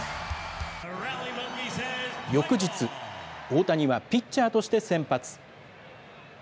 翌日、大谷はピッチャーとして先発。